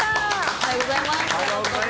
おはようございます。